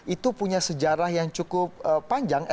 itu punya sejarah yang cukup panjang